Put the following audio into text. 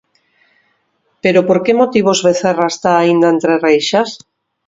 Pero por que motivos Becerra está aínda entre reixas?